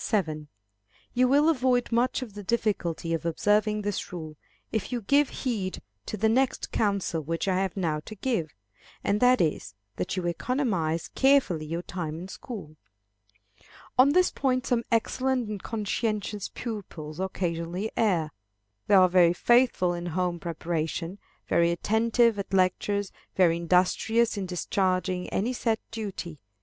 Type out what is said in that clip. You will avoid much of the difficulty of observing this rule, if you give heed to the next counsel which I have now to give, and that is, that you economize carefully your time in school. On this point some excellent and conscientious pupils occasionally err. They are very faithful in home preparation; very attentive at lectures; very industrious in discharging any set duty.